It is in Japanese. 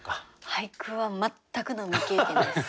俳句は全くの未経験です。